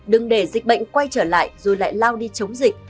đừng để dịch bệnh quay trở lại rồi lại lao đi chống dịch